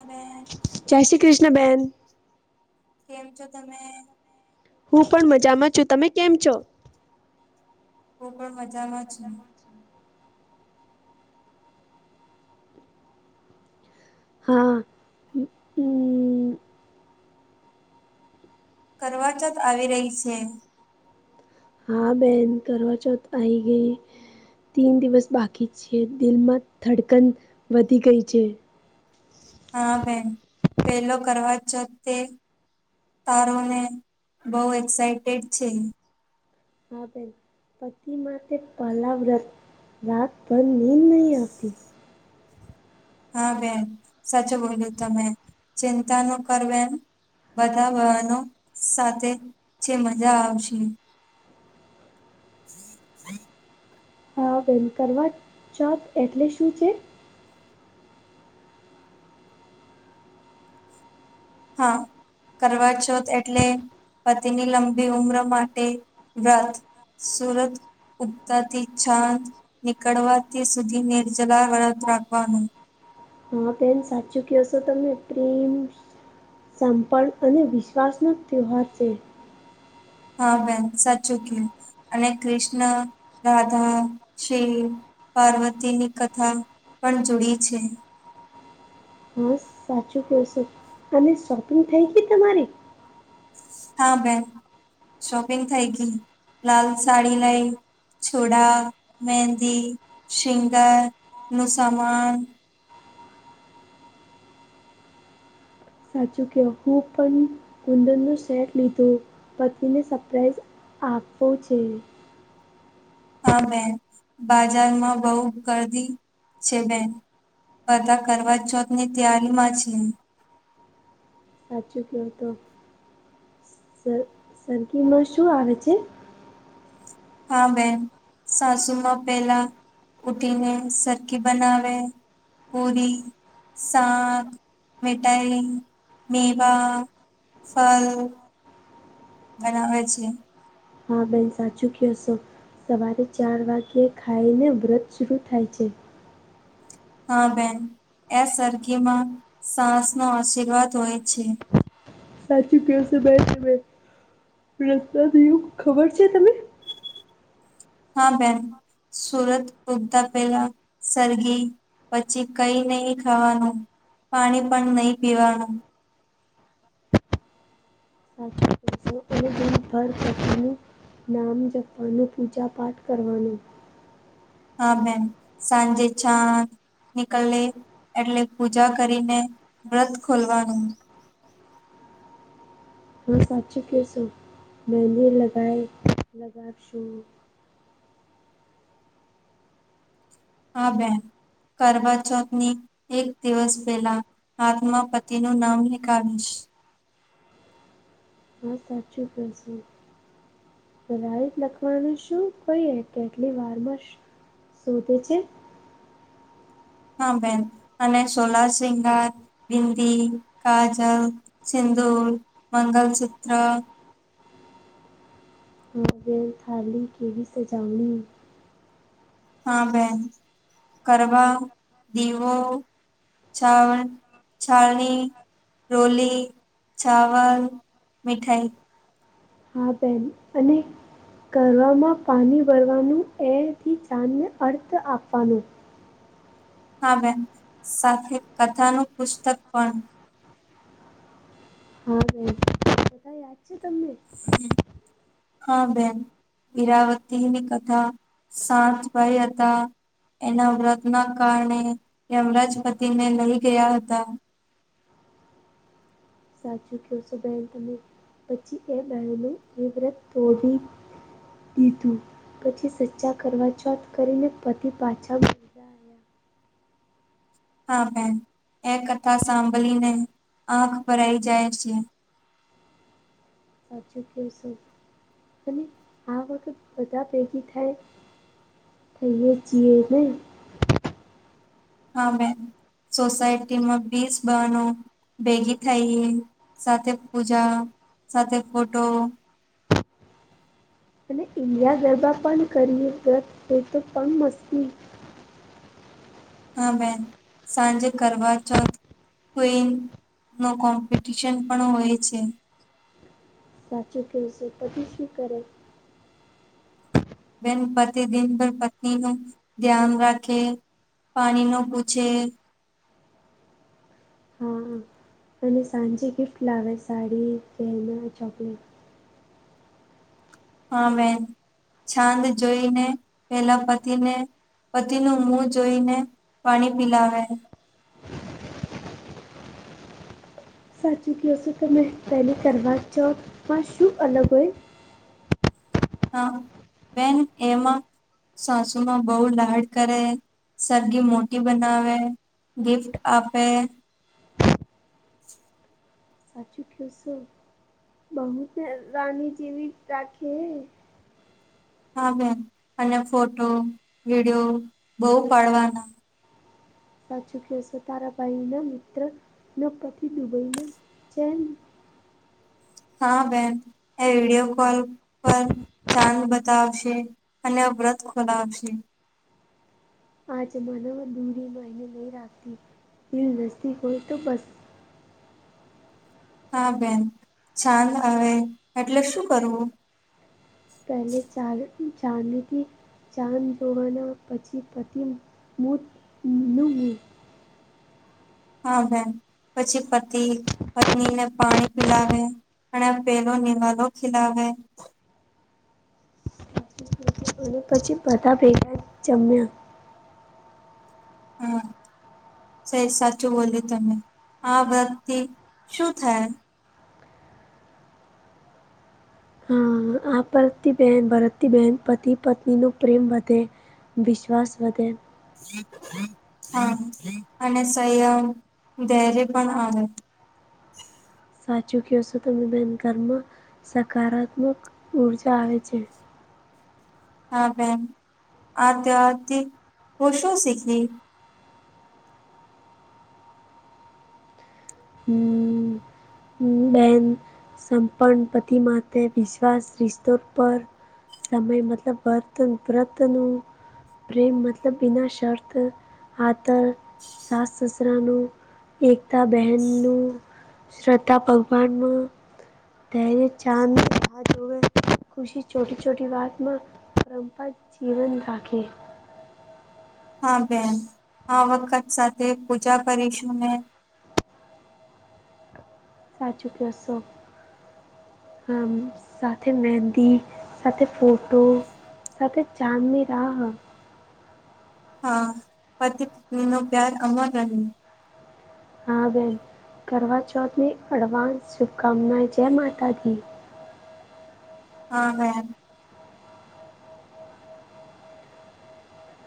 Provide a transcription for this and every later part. અને જય શ્રી કૃષ્ણ બેન. કેમ છો તમે? હું પણ મજામાં છું. તમે કેમ છો? હું પણ મજામાં છું. હા, હમ્મ. કરવાચોથ આવી રહી છે. હા, બેન કરવાચોથ તો આઈ ગઈ. તીન દિવસ બાકી છે. દિલમાં ધડકન વધી ગઈ છે. હા બેન. પેલો કરવાચોથ તે તારોને બહુ એક્સાઈટેડ છે. હા બેન. પતિ માટે પહલા વ્રત રાતભર નીંદ નહી આવતી. હા બેન. સાચું બોલ્યું તમે. ચિંતા નો કર બેન. બધા બહનો સાથે છે. મજા આવશે. [unintelligible] હા બેન. કરવાચોથ એટલે શું છે? હા, કરવા ચોથ એટલે પતિની લબી ઉંમર માટે વ્રત સુરત ઉગતાથી છાંદ નીકળવા તે સુધી નિર્જલા વળત રાખવાનું હા, બેન સાચું કહશો તમે પ્રેમ સંપણ અને વિશ્વાસનો તહેવાર છે. હા બેન સાચુ ક્યું. અને કૃષ્ણ, રાધા, શિવ પાર્વતીની કથા પણ જૂડી છે. હા સાચું કશું અને શોપિંગ થઈ ગયી તમારી? હા બેન શોપિંગ થઈ ગઈ લાલ સાડી લઈ. છોડા મેદી સિગાર નું સમાન સાચું કહું પણ કુંદનનો સેટ લીધો પત્નીને સપ્રાઈઝ આપવો છે. હા બેન બાજારમાં બહુ ગરદી છે બેન. બધા કરવા ચોથ ની તૈયારી માં છે. સાચું ક તો સર સરગીમાં શું આવે છે? હા બેન સાસુમાં પેલા ઊઠીને સરખી બનાવે પૂરી સાક મીઠાઈ મેવા ફલ બનાવે છે. હા બેન સાચું કયોસો સવારે ચાર વાગ્યે ખાઈને વ્રત શુંરૂ થાય છે. હા બેન એ સરખીમાં સાસ નો આશીર્વાદ હોય છે. સાચું ક ભાઈ રસ્તા થયું ખબર છે તમે? હા બેન સુરત ઉગતા પહેલા સરગી પછી કઈ નહી ખાવાનું પાણી પણ નહી પીવાનું [inaudible] [unintelligible] નામ જપવાનું પૂજા પાઠ કરવાનું. હા મબેન સાંજે ચા નીકળે એટલે પૂજા કરીને વ્રત ખોલવાનું. હા સાચી કેસો મેને લગાય લગાડ શું. આ બેન કરવા ચોકની એક દિવસ પહેલા આત્મા પતિ નું નામ લેખાવીશ. હા સાચી કેસું. [unintelligible] લખવાનું શું કોઈ કેટલી વારમાં શોધે છે. હા બેન અને સોલા શિંગાર બિંદી, કાજલ, સિંદૂર, મંગલસૂત્ર થાળી કેવી સજાવણી. હા બેન કરવા દીવો છાવ છાલણી રોલી, ચાવલ, મિઠાઈ હા બેન અને કરવામાં પાણી ભરવાનું એથી ચાંદને અર્થ આપવાનું. હા બેન સાથે કથા નું પુસ્તક પણ હા બેન બધા યાદ છે તમને? હમ હા બેન ઈરાવતીની કથા સાંત ભાઈ હતા એના વ્રત ના કારણે યમરાજ પતિને લઈ ગયા હતા. સાચું કહો છો બહેન તમે પછી એ બેનું એ વ્રત થોડીવી પછી સચ્ચા કરવા ચોથ કરીને પતિ પાછા [inaudible] હા બેન એ કથા સાંભળીને આંખ ભરાઈ જાય છે. સાચું કહેશો અને આ વખત બધા ભેગી થાય. તોયએ જીએ ને. હા બેન સોસાયટીમાં બીસ બાનો ભેગી થઈ સાથે પૂજા સાથે ફોટો અને ઇન્ડિયા જેવા પણ કરીએ એ તો કમ મસ્તી હા બેન સાંજે કરવા ચોથ કોઈન નો કોમ્પિટિશન પણ હોય છે. સાચી કયું છે પછી શું કરો? બેન પ્રતિદિન પર પત્નીનું ધ્યાન રાખે પાણી નો પૂછે હા. અને સાંજે ગિફ્ટ લાવે સાડી ઘેના ચોકલેટ હા બેન છાંદ જોઈને પેલા પતિને પતિ નું મુ જોઈને પાણી પિલાવે. સાચું કેયો છો તમે પહેલે કરવાચોધ માં શું અલગ હોય? હા બેન એમાં સાસુમાં બહુ લાડ કરે સરરગી મોટી બનાવે. ગિફ્ટ આપે સાચું કેશો બહુતે રાની જેવી રાખે. હા, બેન અને ફોટો વિડીયો બહુ પાડવાના સાચું કે છે તારા ભાઈ નો મિત્ર લોગ પ્રતિ દુબઇ માં છે ને. હા બેન એ વિડયો કોલ પર ચાંદ બતાવશે અને વ્રત ખોલાવશે. આ જમાનોમાં દૂરી માને નહી રાખતી દિલ નજદીક હોય તો બસ હા બેન છાન આવે એટલે શું કરવું? પહેલે ચાર જાનલીથી ચાંદ જોવાના પછી પતિ મુત મુહ લી. હા બેન પછી પતિ પત્નીને પાણી પિલાવે અને આ પેલો નિવાલો ખિલાવે. પછી અને પછી ભેગા જમ્યા. હમ્મ. સે સાચું બોલિયુ તમે, આ વ્રત થી શું થાય? હા આ ભર બહેન ભરતી બહેન પતિ પત્ની નો પ્રેમ વધે. વિશ્વાસ વધે. હા અને સંયમ દેરી પણ આવે. સાચું કહશો તને બેન ઘરમાં સકારાત્મક ઊર્જા આવે છે. હા બેેન આ ત્યોહાર થી હું શું શીખી? હમ્મ. હમ્મ બેન. સંપન્ન પતિ માટે વિશ્વાસ રિસ્તો પર સમય મતલબ બ્રત વ્રત નું પ્રેમ મતલબ બિના શર્ત આદર સાસ સસુરાનું એકતા બહેનનું શ્રદ્ધા ભગવાનુ તહેરે ચાદ રાહ જોવે ખુશી ચોટી ચોટી વાતમાં પરંપરા જીવન રાખે. હા બેન આ વખત સાથે પૂજા કરીશું ને સાચું ક્યો સો. હામ. સાથે મહેંદી, સાથે ફોટો સાથે ચાંદની રાહ હા. પતિ પત્ની નો પ્યાર અમર રહે. હા બેહેન. કળવા ચૌથની અડવાન્સ શુભકામનાએ. જય માતા દી. હા બહેન.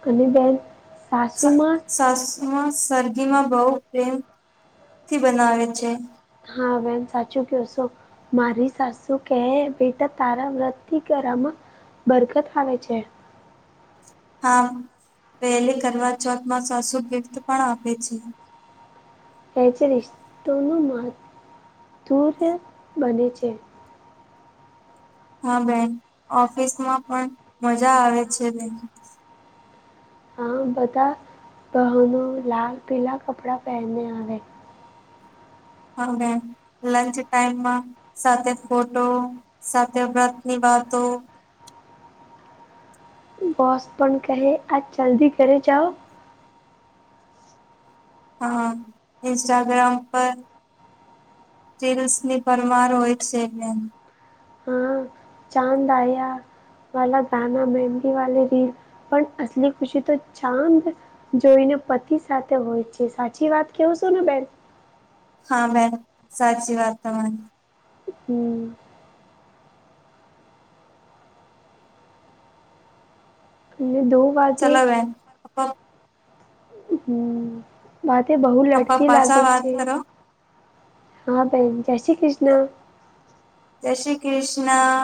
[unintelligible] બહેન. સ સાસુમાં સરગીમાં બહુ પ્રેમથી બનાવે છે. હા બહેન સાચું ક્યો સો. મારી સાસુ કહે, બેટા તારા વ્રતથી કરામાં બરકત આવે છે. હા. પહેલી કળવાચૌથમાં સાસુ ગિફ્ટ પણ આપે છે. એ જ રિશ્તોનું મહત [unintelligible] બને છે. હા બહેન. ઓફિસમાં પણ મજા આવે છે એને. હા. બધા બહનો લાલ પીલા કપડાં પહેરને આવે. હા બહેન. લંચ ટાઈમમાં સાથે ફોટો, સાથે વ્રતની વાતો બોસ પણ કહે આજ જલ્દી ઘરે જાઓ. હા. ઇન્સ્ટાગ્રામ પર રીલ્સ ની પરમાર હોય છેે ને એમ. ચાંદ આયા વાલા [unintelligible] મહંદી વાલી રીલ પણ અસલી ખુશી તો ચાંદ જોઈને પતિ સાથે હોય છે. સાચી વાત કેવું સું ને બહેન? હા બહેન. સાચી વાત તમારી. હમ્મ. [unintelligible] દો વાગે ચલો બહેન. [unintelligible] હમ્મ. વાતે બહુ આપા લડતી પાછા લાગે વાત છે. કરો હા બહેન. જય શ્રી કૃષ્ણ. જય શ્રી કૃષ્ણા.